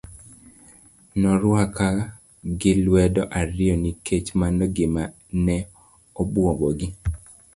Norwaka gi lwedo ariyo nikech mano gima ne obuogo gi.